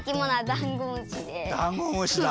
ダンゴムシだ。